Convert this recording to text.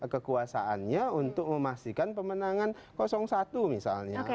kekuasaannya untuk memastikan pemenangan satu misalnya